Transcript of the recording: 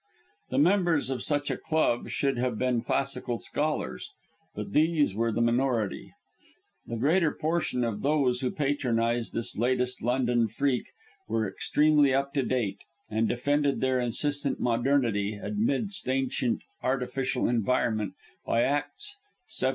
The members of such a club should have been classical scholars, but these were in the minority. The greater portion of those who patronised this latest London freak were extremely up to date, and defended their insistent modernity amidst ancient artificial environment by Acts xvii.